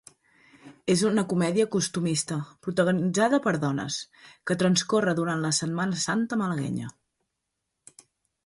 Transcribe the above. És una comèdia costumista protagonitzada per dones, que transcorre durant la Setmana Santa malaguenya.